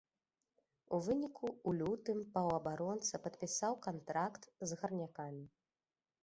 У выніку, у лютым паўабаронца падпісаў кантракт з гарнякамі.